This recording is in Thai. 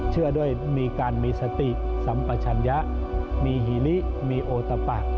เชื่อด้วยมีการมีสติสัมปชัญญะมีฮิลิมีโอตะปะ